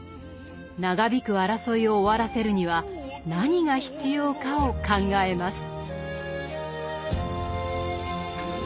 長引く争いを終わらせるには何が必要かを考えます。